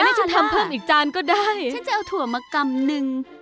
แล้วให้ฉันทำเพิ่มอีกจานก็ได้ฉันจะเอาถั่วมากำหนึ่ง